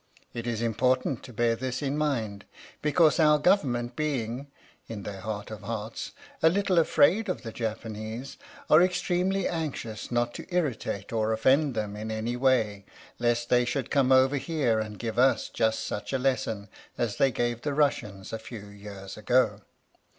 It is important to bear this in mind, because our Government being (in their heart of hearts) a little afraid of the Japanese, are extremely anxious not to irritate or offend them in any way lest they should come over here and give us just such a lesson as they gave the Russians a few years ago.